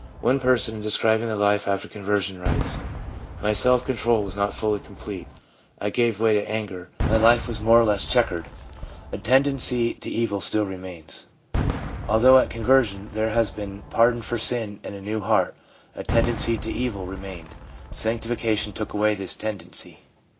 One person in describing the life after conver sion writes :' My self control was not fully complete. I gave way to anger ; my life was more or less chequered ; a tendency to evil still remained/ Although at con version there had been ' pardon for sin and a new heart/ a tendency to evil remained —' sanctification took away this tendency.'